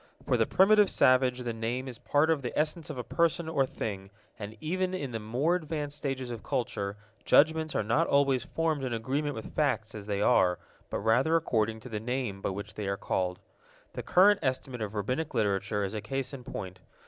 For the primitive savage the name is part of the essence of a person or thing, and even in the more advanced stages of culture, judgments are not always formed in agreement with facts as they are, but rather according to the names by which they are called. The current estimate of Rabbinic Literature is a case in point.